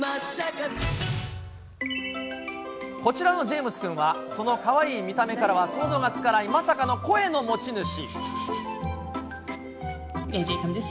こちらのジェームスくんは、そのかわいい見た目からは想像がつかないまさかの声の持ち主。